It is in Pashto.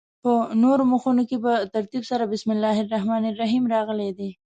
په نورو مخونو کې په ترتیب سره بسم الله الرحمن الرحیم راغلې ده.